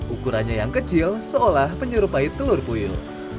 ukurannya yang kecil seolah penyerupai telur puyul